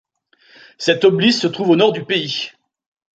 Cet oblys se trouve au nord du pays.